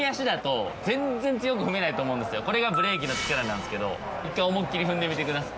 これがブレーキの力なんですけど１回思いっきり踏んでみてください。